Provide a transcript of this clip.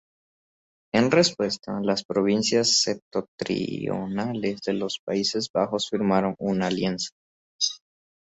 En respuesta, las provincias septentrionales de los Países Bajos firmaron una alianza.